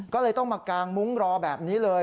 ก็เลยต้องมากางมุ้งรอแบบนี้เลย